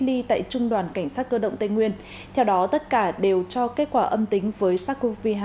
ly tại trung đoàn cảnh sát cơ động tây nguyên theo đó tất cả đều cho kết quả âm tính với sars cov hai